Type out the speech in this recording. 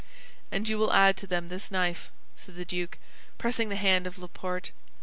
"And you will add to them this knife," said the duke, pressing the hand of Laporte.